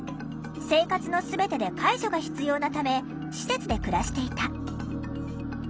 生活の全てで介助が必要なため施設で暮らしていた。